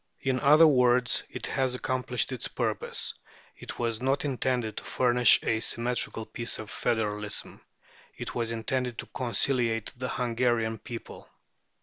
In other words, it has accomplished its purpose. It was not intended to furnish a symmetrical piece of federalism. It was intended to conciliate the Hungarian people.